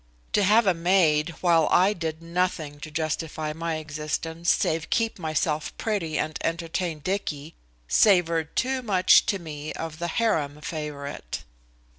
To have a maid, while I did nothing to justify my existence save keep myself pretty and entertain Dicky, savored too much to me of the harem favorite.